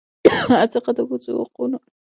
هغه د ښځو حقونه دموکراتیک ارزښت ګڼي.